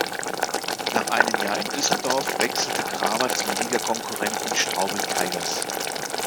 Nach einem Jahr in Düsseldorf wechselte Kramer zum Ligakonkurrenten Straubing Tigers.